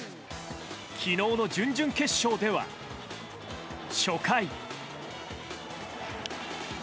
昨日の準々決勝では、初回。